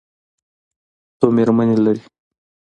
څو مېرمنې لري؟